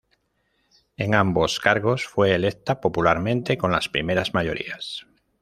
En ambos cargos fue electa popularmente con las primeras mayorías.